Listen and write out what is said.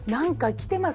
来てます？